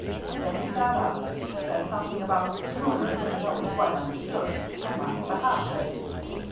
Then he got up, said something about the schooner that nobody quite understood, and left the house.